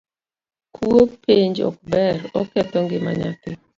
Kuo penj ok ber, oketho ngima nyathi